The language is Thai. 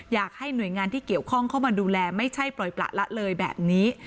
อยากให้หน่วยงานที่เกี่ยวข้องเข้ามาดูแลไม่ใช่ปล่อยประละเลยแบบนี้